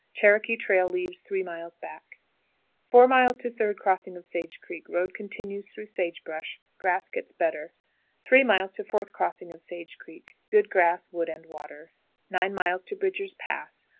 Cherokee trail leaves three miles back. 4. Third Crossing of Sage Creek. Road continues through sage brush. Grass gets better. 3. Fourth Crossing of Sage Creek. Good grass, wood, and water. 9. Bridger's Pass.